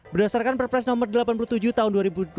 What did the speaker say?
berdasarkan perpres nomor delapan puluh tujuh tahun dua ribu dua puluh